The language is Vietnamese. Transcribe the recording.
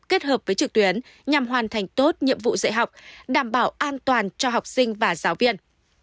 kết hợp với trực tuyến nhằm hoàn thành tốt nhiệm vụ dạy học đảm bảo an toàn cho học sinh và giáo viên